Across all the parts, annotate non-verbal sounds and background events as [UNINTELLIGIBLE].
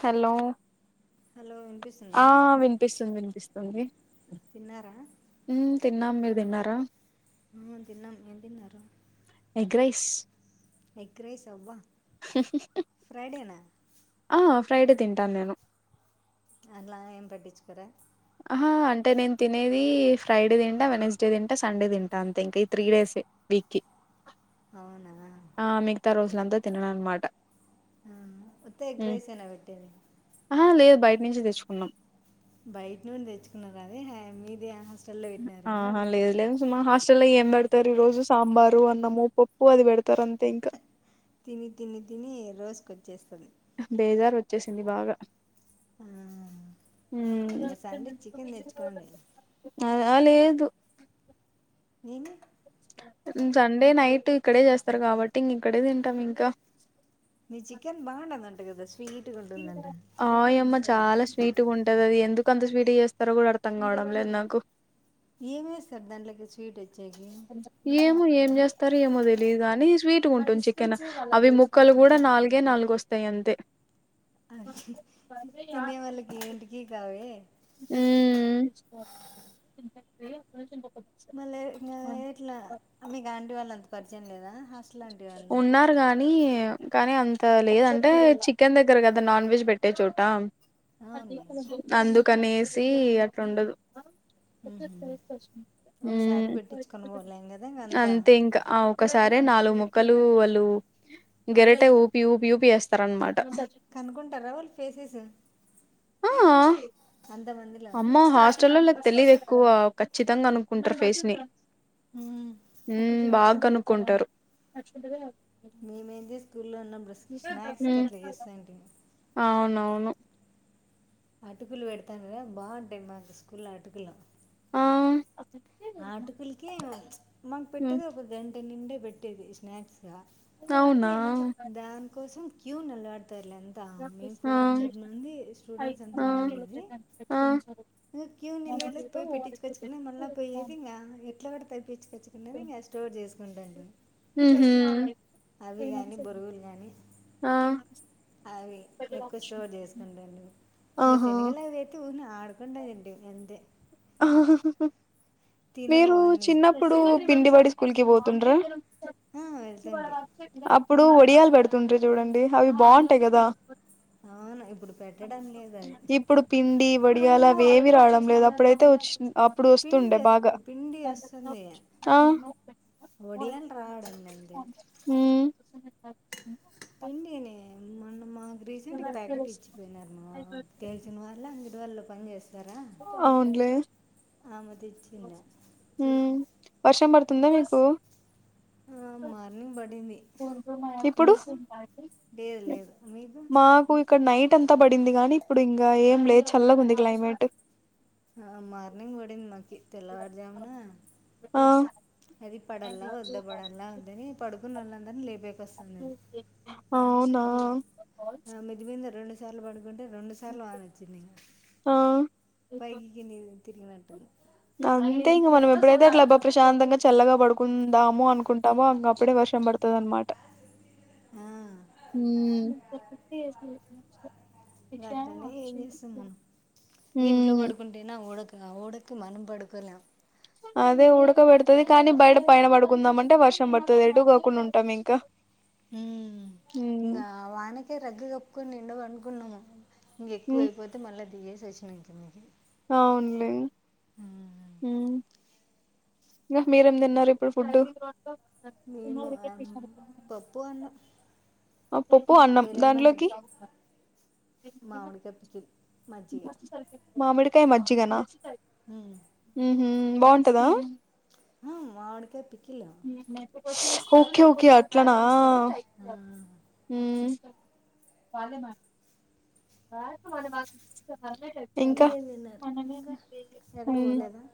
Hello hello వినిపిస్తుందా ఆ వినిపిస్తుంది వినిపిస్తుంది అీ [UNINTELLIGIBLE] తిన్నారా హ్మ్ తిన్నాం మీర్ తిన్నారా ఆ తిన్నాం ఏం తిన్నారు ఎగ్రైస్ ఎగ్రైస్ అబ్బా ఆ ఫ్రైడే తింటాను మేము అలా ఏం పట్టిచుకోరా అహహా అంటే నేన్ తినేది ఫ్రైడే తింటా వెనస్డే తింటా సండే తింటా అంతే ఇంక ఈ త్రీ డేసే వీక్కి అవునా వీళ్ళంతా తినరనమాట ఆ ఉత్త ఎగ్ రైస్ ఎన పెట్టేది ఆ లేదు బయట నుంచే తెచ్చుకున్నాం బయట నుండి తెచ్చుకున్నారు అది మీదే అనేసి ఆహా లేదు లేదు సుమ హాస్టల్ల్లో ఏం పెడతారు ఈ రోజు సాంబార్ అన్నము పప్పు అది పెడతారూ అంతే ఇంకా తిని తిని తిని రోస్ కు వచ్చేస్తుంది బేజార్ వచ్చేసింది బాగా ఆ, హ్మ్మ్ ఇంకా సండే చికెన్ తెచ్చుకోండి అ లేదు నేనూ సండే నైట్ ఇక్కడే చేస్తారు కాబట్టి ఇంక ఇక్కడే తింటాం ఇంకా మీ చికెన్ బాగుంటుందంట కదా స్వీట్గా ఉంటుందంట ఆయమ్మ చాలా స్వీట్గా ఉంటది అది ఎంత ఎందుకు అంత స్వీట్ చేస్తారో కూడా అర్థం కావడం లేదు నాకు ఏం వెస్తారు దాంట్లకి స్వీట్ వ ఏమో ఏం చేస్తా స్టారొ ఏమో తెలీయదు కాని స్వీట్గా ఉంటుంది చికెన్ అవి ముక్కలు కూడా నాలుగే నాలుగు వస్తాయి అంతే తినే వాళ్ళకి ఏంటికి కావే హ్మ్మ్ మళ్ళ ఎట్ల ఎయ్యట్లే అవి గాండీవాళది పర్చయం లేదా హాస్టల్ అంటి వాళ్ళు కానీ కానీ అంత లేదంటే చికెన్ దగ్గర కదా నాన్ వెజ్ పెట్టే చోట అవునులే అందుకనేసి ది అట్టుండదు ఉహు ఒకసారి హ్మ్మ్ పెట్టించుకొని పోలేం కదా ఇంక అంతా అంతే ఇంకా ఒకసారి నాలుగు ముక్కలు అళ్ళు గరటె ఊపి ఊపి ఊపి వేస్తార నమాట కనుకుంటారా వాళ్ళు ఫేసేస్ ఆ అమ్మ హాస్టలోల్లకి తెలివి [UNINTELLIGIBLE] ఎక్కువ ఖచ్చితంగా అనుకుంటారు ఫేస్ ని ఉమ్ హూ బగ కుంటారు మేమంది స్కూ [INAUDIBLE] స్నాక్స్ ఉమ్ కట్లా చేస్తా [INAUDIBLE] అవునవును అటుకులు పెడ్త్తాన్ గదా బాన్టాయ్ మా స్కూల్లో అటుకులు ఆ ఆ అటుకులికే మన్ ఉమ్ పెట్టేదే ఒక గంట్ దీన్ నిండే పెట్టేది స్నాక్స్ ఆ అవునా దాన్ కోసం క్యూ నలడ్ తర్లెంతా మెయిన్ ఆ ఫోర్ హండ్రెడ్ నుండి స్టూడెంట్స్ అంత ఆ వున్నిండేది ఆ ఇంగ క్యూ నిల్బడ్ లోకి పొయ్ పెట్టించుకొచ్చుకున్నా మళ్ళ పోయ్యేది ఇంగా ఎట్లోగట్ల తప్పించుకొచ్చుకునేది ఇంగ స్టోర్ చేసుకుంటాన్ త్రీ మంత్స్ అయ్యింది అవి ఎక్కువ స్టోర్ చేసుకుంటా నేను ఇంగ ఆహా సెనగలవైతే ఊర్కినే ఆడ్ కొండె గెంటి ఎన్ తినవు మీరు అవన్నీ చిన్నప్పుడు పిండి పడి స్కూల్ కి పోతుండ్రా ఆ, వెళ్తుంటే అప్ ఇప్పుడు వడియాలు పెడుతుంట్రి జూడండి, అవి బావుంటయి గదా. అవును ఇప్పుడు పెట్టడం లేదు అది ఇప్పుడు పిండి వడియాల ఏమి రావడం లేదు అప్పుడైతే వచ్చింది అప్పుడు పిండి వస్తుండే వస్- బాగా పిండి వస్తుంది ఆ ఒడియాలు రావడండండి. [INAUDIBLE] పిండినే రీసెంట్ గ ప్యాకెటిచ్చి పోయినార్ మా తెల్సిన వాళ్ళే అన్ జెప్ [INAUDIBLE] ళ్ళో పన్జేస్ అవున్లే ఆమె తెచ్చిండ మ్మ్ వర్షం పడుతుందా మీకు ఆ మార్నింగ్ పడింది ఇప్పుడు మీకు లేదు లేదు మీకు మాకు ఇక్కడ్ నైట్ అంతా పడింది గానీ ఇప్పుడు ఇంగ ఏం లేద్ చల్లగుంది క్లైమేట్టు ఆ మార్నింగ్ పడింది మాకి తెల్లవారుజామున ఆ అది పడల్లా వద్ద పడల్లా వద్దని పడుకు పడుకున వలందరిని లెప్ ఉపయకస్తున్నది అవునా ఆ మీదే మీద రెండ్ చర్ల పాడు అంటే రెండు సార్లు వాన వచ్చింది ఆ పైకి కిందికి తిరిగినటును అంతే ఇంక మనం ఎప్పుడైతే అట్లా అబ్బా ప్రశాంతంగా, చల్లగా పడుకుందామో అనుకుంటామో అంక అప్పుడే వర్షం పడుతుంది. అనమాట ఆ. మ్మ్ నచలే ఇక అట్లనే ఏం చేస్తాం మనం ఇంట్లో ఉమ్ పడుకుంటేన ఊడక డక మనం పడుకోలేం అదే ఉడకబడుతది కానీ బయట పైన పడుకుందాం అంటే వర్షం పడుతుంది ఎటు కాకుండా ఉంటాం ఇంకా ఇంకా ఉమ్ వానకే రగ్గ కప్పుకొని నిండ పం కున్నాము ఇంక ఎక్కువ అయిపోతే మళ్ళీ దిగ తెచినకు మీకు అవునులే మ్మ్ ఇంకా మీరేం తిన్నారు ఇప్పుడు ఫుడ్ మేము పప్పు అన్నం ఆ పప్పు అన్నం మీరు ఏమంటారు దాంట్లోకి మామిడి కప్పికి మజ్జిగ మర్జీగానా ఉమ్ ఉహు బాగుంటదా మావిడికాయ పి [UNINTELLIGIBLE] ఓకే ఓకే అట్లనా మ్మ్ వాల మ కద ఇంకా ఇంకేం తిన్నారు ఇంకా ఉ ఎక్కడికి పోలేదా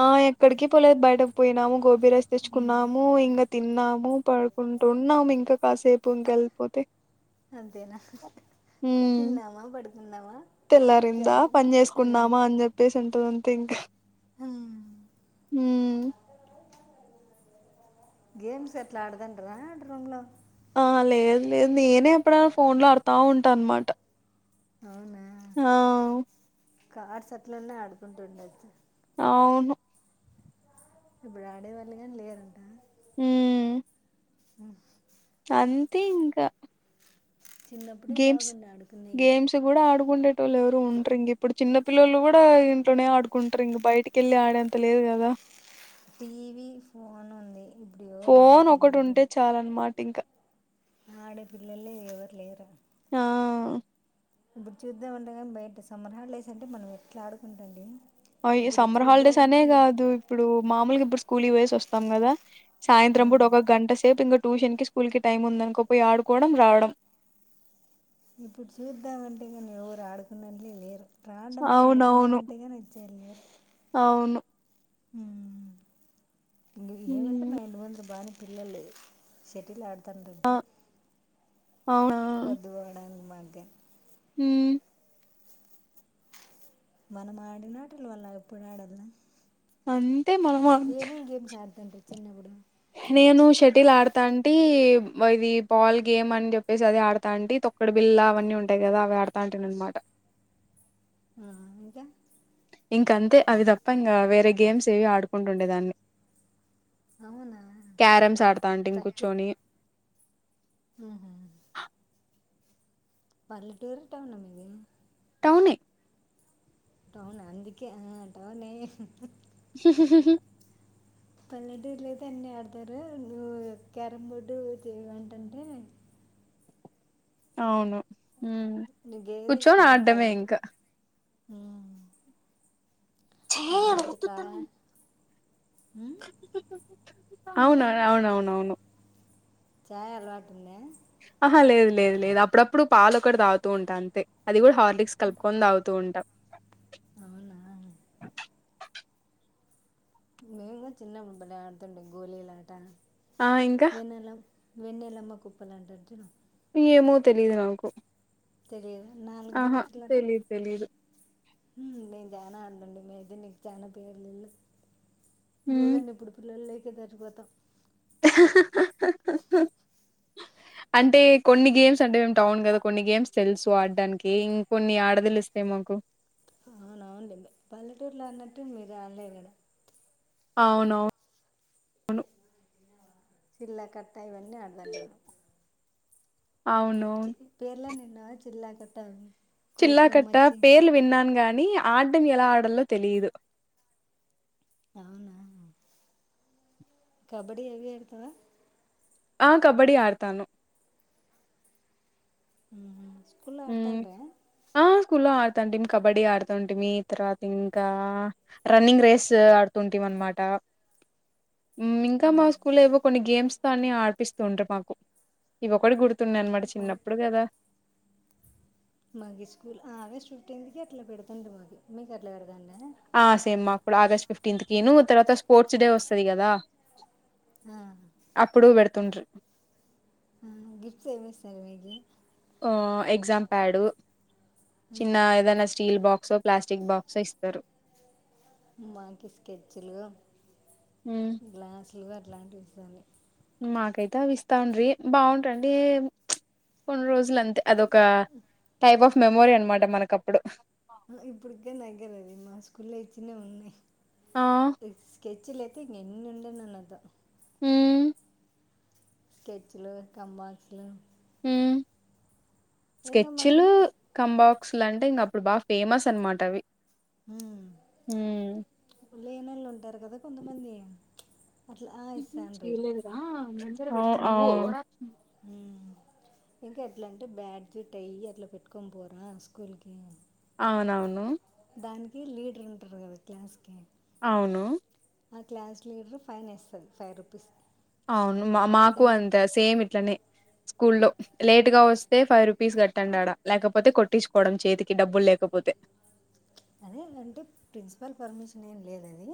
ఆ ఇక్కడికి పోలేదు బయటకు పోయినాము గోబీ రైస్ తెచ్చుకున్నాము ఇంకా తిన్నాము పడుకుంటున్నాము ఇంకా కాసేపు ఇంకా వెళ్ళిపోతే అంతేనా తిన్నామా పడుకున్నామా తెల్లారిందా జాబ్ పని చేసుకున్నామా అని చెప్పేసి తొ అంతింక హ్మ్ మ్మ్ గేమ్స్ అట్ల ఆడ్తంటర ఆడ రూమ్ లో ఆ లేదు లేదు నేనే ఎప్పుడైనా ఫోన్ లో ఆడతా ఉంటా అనమాట అవునా ఆ కార్స్ అట్లనే ఆడుకుంటుండద్దు అవును ఇప్పుడు ఆడేవాళ్ళ ని లేరంట మ్మ్ అంతే ఇంకా చిన్నప్పుడే గేమ్స్ బాగుండే ఆడుకునేవి గేమ్స్ కూడా ఆడుకుండేటోలు ఎవరూ వుండరు ఇంక ఇప్పుడు చిన్నప్ పిల్లోల్లు కూడా ఇంట్లోనే ఆడుకుంటారు ఇంక బయటికి వెల్లి ఆడేంత లేదు కదా టీవీ ఫోన్ ఉంది ఇప్పుడు ఎవరు ఆడే ఫోన్ ఒకటి పిల్లలు ఉంటే కూడా చాల అన్నమాట ఇంకా ఆడే పిల్లలే ఎవరు లేరా ఆ ఇప్పుడు చూద్దాం అన్న కానీ బయట సమ్మర్ హాలిడేస్ అంటే మనం ఎట్లా ఆడుకుంటాంటిమి అయో సమ్మర్ హాలిడేస్ అనే కాదు ఇప్పుడు మామూలుగా స కూలి పొయ్యేసి వస్తాం కదా సాయంత్రం కూడా ఆ, ఒక గంట సేపు ఇంగ ట్యూషన్ కి స్కూల్ కి టైం ఉందనుకోపోయి ఆడుకోవడం రావడం ఇప్పుడు చూద్దామంటే కానీ ఎవరు ఆడుకునేళ్లే లేరు రాండమ్మ ఆడుకుందాం అవునవును అంటేగాని వచ్చావారు లేరు అవును మ్మ్ మ్మ్ ఏమంటె హ్మ్ మా ఇంటి ముందర బానే పిల్లలు చెటిల్ ఆడుత్ తండ్రంట అవును పొద్దు పోవడానికి భాగ్య మ్మ్ మనం ఆడినాటలు వల్ల ఎప్పుడు ఆడల్లా అన్ ఏమేమి గేమ్స్ ఆడుతూంటివి చిన్నప్పుడు నేను షటిల్ ఆడితాంటి ఇది బాల్ గేమ్ అని చెప్పేసి అది ఆడతాంటి తొక్కడు బిల్లా అవన్నీ ఉంటాయి కదా అవి ఆడతాంటి అన్నమాట మ్మ్ ఇంకా ఇంక అంతే అవి తప్ప ఇంకా వేరే గేమ్స్ ఏవి ఆడుకుంటుండేదాన్ని అవునా క్యారమ్స్ ఆడతా అంటి ఇం తక్కువ కూర్చొని మ్మ్. పల్లెటూరు టౌన్ టౌనే టౌన్ అందుకె ఆ టౌనే పల్లెటూరూ లేతే అన్నీ ఆడతారు నువ్వు క్యారం బోర్డు ఏంటంటే అవును ఉహు నీకు ఏది కూర్చొని ఇష్టం ఆడడమే పల్లెటూరు ఇంకా చేయి అది మామిడికాయ ఉత్తుతూ కాయ ఉమ్ అవున అవునవునవును చాయ్ అలవాటుందా ఆహా లేదు లేదు లేదు అప్పుడప్పుడు పాలు ఒకటి తాగుతూ ఉంటా అంతే అది కూడా హ హార్లిక్స్ కలుపుకొని తాగుతు ఉంటా అవునా మేము చిన్నప్పుడు ఆడుతుండే గోళీలాట ఆ ఇంకా వెనాల వెన్నలమ్మ కుప్పలంటారు చూడు ఏమో తెలిదు నాకు తెలిదు ఆహా తెలిదు తెలిదు చనా అందండి మీదే నీకు చాలా పేర్లుళు మ్మ్ నువేన ఇప్పుడు పిల్లలు లే కే దరువాత ఆహ్ ఆహ్ హ హ హ హ అంటే కొన్ని గేమ్స్ అంటే మేము టౌన్ కదా కొన్ని గేమ్స్ తెలుసు ఆడడానికి ఇం కొన్ని ఆడదెలుస్తాయి మాకు అవునవును పల్లెటూరులో అన్నట్టు మీరు ఆలేదది అవునవును అవును చిల్ల కట్ పైవన్ని అడదాంటిమి అవునవును పేర్లన్నీ నా జీల్లా కట్ట చిల్ల కట్టా పేర్లు విన్నాను కా నీ ఆటని ఎలా ఆడాలో తెలియదు టౌనా కబడి [UNINTELLIGIBLE] ఆ కబడి ఆడతాను మ్మ్ మ్మ్ కుళ్ళో ఆడ్తాండ్ర తండిమ్ కబడ్డీ ఆడుతుంటిమి తర్వాత ఇంకా రన్నింగ్ రేస్ ఆడుతుంటిం అన్మాట. మ్మ్ ఇంకా మా స్కూల్లో ఏవో కొన్ని గేమ్స్ కాన్ని ఆడ్పిస్తుండ్రి మాకు ఈ ఒకటి గుర్ తుండన్మాట చిన్నప్పుడు గదా మాగిస్కూల్ ఆగేస్ట్ ఫిఫ్టీంత్ కి అట్లా పెడ్తుండ్రి మాకి మీకట్ల పెడ్తాండ ఆ సేమ్ అప్పుడు ఆగస్ట్ ఫిఫ్టీన్త్ కీను తర్వాత స్పోర్ట్స్ డే వస్తది గదా ఆ. అప్పుడు వెడ్ తున్రీ ఆ గిఫ్ట్స్ ఏమిస్తారు మీగి ఆ ఎగ్జామ్ ప్యాడు ఆ, చిన్న ఐదనాస్ స్టీల్ బాక్సో ప్లాస్టిక్ బాక్సో ఇస్తారు. మాకి స్కెచ్లు హ్మ్. గ్లాస్ ఫుల్లుగా అట్లాంటివి ఇస్తాది మాకైతే అవి ఇస్తాండ్రి బావుంటుండి కొన్ని రోజులంతే అదొక టైప్ ఆఫ్ మెమోరీ అన్మాట మనకప్పుడు కుళ్ళైతునే ఉంది ఆ! ఇట్ స్కె చిలైతే ఇంగెన్ వుండెననగ మ్మ్ స్కెచ్ లు కంబాస్లు మ్మ్ ఇంకా మాకు స్చేచ్చులు కంబ బుక్స్లంటే ఇంగప్పుడు బా ఫేమస్ అన్మాటవి మ్మ్ లే పిల్లొలుంటరు గద కొంతమంది అట్లా "ఆ, మ్మ్ హు ఇస్తానురీ చేయలేదుగా మన్ ఉ అవ్ హ్మ్మ్ ఇంకా ఎట్లా అంటే బ్యాజ్ టైయి అట్లా పెట్టుకొని పోరా స్కూల్ కి అవునువును దానికి లీడర్ ఉంటరు కదా క్లాస్కీ అవును ఆ క్లాస్ లీడర్ ఫైన్ ఏస్తది ఫైవ్ రూపీస్ అవును మా మాకు డై అంతే సేమ్ ఇట్లనే స్కూల్లో లేటుగా వస్తే ఫైవ్ రూపీస్ కట్టండాడ లేకపోతే కొట్టించుకోవడం చేతికి డబ్బులు లేకపోతే అదే అంటే ప్రిన్సిపల్ పర్మిషన్ ఏం లేదది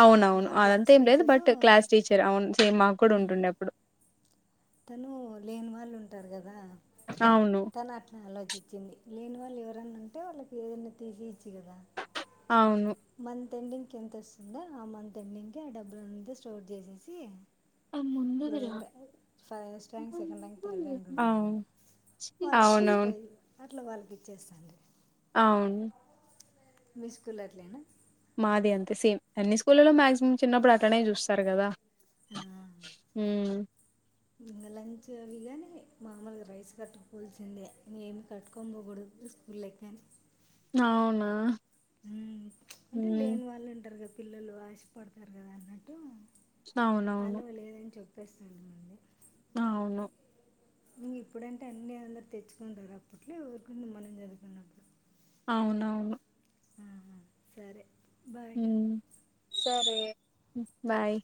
అవునవును అదంతా ఏం లేదు బట్ క్లాస్ టీచర్ అవును సేమ్ మాకు కూడా "మ్మ్. ఉంటుండే అప్పుడు తను లేని వాళ్ళు ఉంటారు కదా అవును. తను అట్లా ఆలోచించింది లేని వాళ్ళు ఎవరైన్నా ఉంటే వాళ్ళకి ఏదైనా తీసిచ్చు కదా అవును. మంత్ ఎండింగ్ ఎంత వస్తుందో ఆ మంత్ ఎండింగ్ కి ఆ డబ్బులంతా స్టోర్ చేసేసి ఇప్పుడు ఫస్ట్ ర్యాంక్ అవును. సెకండ్ ర్యాంక్ థార్డ్ ర్యాంక్ ఉంటారు కదా అవును. వాళ్ళకి ఫస్ట్ అవునవును. ప్రైజ్ అట్ల వాళ్ళకి ఇచ్చేస్తుంది అవును మీ స్కూల్లో అట్లే నా మాది అంతే సేమ్ అన్ని స్కూళ్లో మాక్సిమం చిన్నప్పుడు అట్లనే చూస్తారు కదా ఆ ఉమ్ ఇంకా లంచ్ అవి కానీ మాములుగా రైస్ కట్టుకపోవాల్సిందే ఏమి కట్టుకొని పోకూడదు స్కూలేకి గాని అవునా అంటే హ్మ్ లేని వాళ్ళు ఉంటారు కదా పిల్లలు ఆశపడతారు కదా అన్నట్టు అవునవును ప్పేస్తాను అనింది ఆవును ఇక ఇప్పుడంటే అన్ని అందరు తెచ్చుకుంటారు అప్పట్లో ఎవరికుంది మనం చదువుకున్నప్పుడు అవునవును ఆ సరే బాయ్ హ్మ్ సరే బాయ్